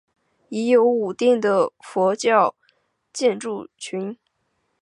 已有五殿的佛教建筑群。